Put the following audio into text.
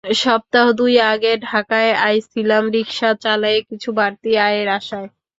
সপ্তাহ দুই আগে ঢাকায় আইছিলাম রিক্সা চালায়ে কিছু বাড়তি আয়ের আশায়।